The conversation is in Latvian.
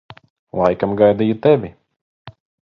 Laikam gaidīju tevi.